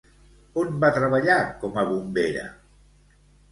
On va treballar com a bombera?